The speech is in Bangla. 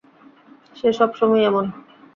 সে সবসময়ই এমন।